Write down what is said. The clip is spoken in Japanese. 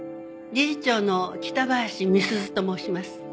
理事長の北林美鈴と申します。